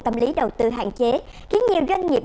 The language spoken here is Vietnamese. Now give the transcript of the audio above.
tâm lý đầu tư hạn chế khiến nhiều doanh nghiệp